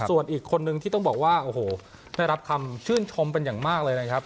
ส่วนอีกคนนึงที่ต้องบอกว่าโอ้โหได้รับคำชื่นชมเป็นอย่างมากเลยนะครับ